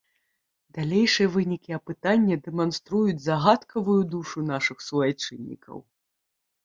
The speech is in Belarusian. Далейшыя вынікі апытання дэманструюць загадкавую душу нашых суайчыннікаў.